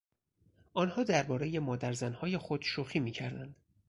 آنها دربارهی مادرزنهای خود شوخی میکردند.